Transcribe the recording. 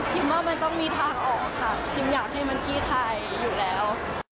ทีมอยากให้มันที่ไทยอยู่แล้ว